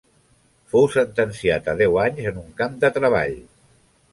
Fou sentenciat a deu anys en un camp de treball.